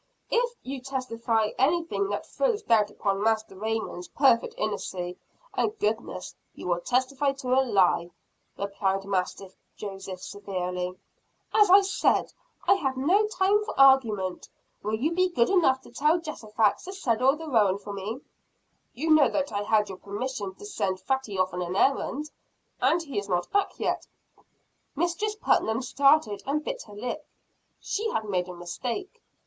"If you testify to anything that throws doubt upon Master Raymond's perfect innocency and goodness, you will testify to a lie," replied Master Joseph severely. "As I said, I have no time for argument. Will you be good enough to tell Jehosaphat to saddle the roan for me." "You know that I had your permission to send Fatty off on an errand and he is not back yet." Mistress Putnam started and bit her lip. She had made a mistake.